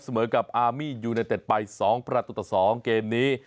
เสมอกับอามียูเนเต็ดไป๒ประตูต่อ๒เกมนี้